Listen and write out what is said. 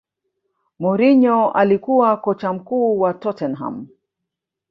mourinho alikuwa kocha mkuu wa tottenham